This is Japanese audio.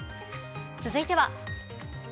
続いては。